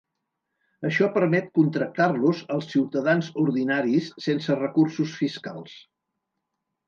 Això permet contractar-los als ciutadans ordinaris sense recursos fiscals.